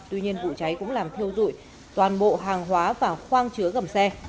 tuy nhiên vụ cháy cũng làm theo dụi toàn bộ hàng hóa và khoang chứa gầm xe